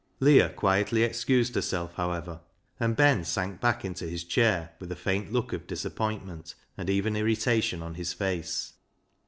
Leah quietly excused herself, however; and Ben sank back into his 62 BECKSIDE LIGHTS chair with a faint look of disappointment and even irritation on his face.